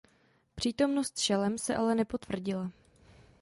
Přítomnost šelem se ale nepotvrdila.